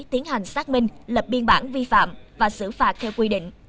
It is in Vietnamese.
tiến hành xác minh lập biên bản vi phạm và xử phạt theo quy định